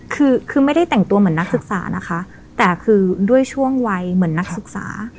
คือคือไม่ได้แต่งตัวเหมือนนักศึกษานะคะแต่คือด้วยช่วงวัยเหมือนนักศึกษา